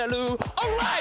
オーライ！